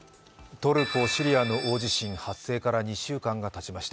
トルコ・シリアの大地震発生から２週間がたちました。